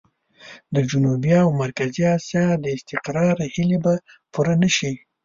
د جنوبي او مرکزي اسيا د استقرار هيلې به پوره نه شي.